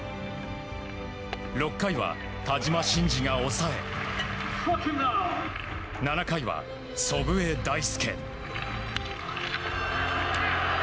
６回は田島慎二が抑え７回は祖父江大輔。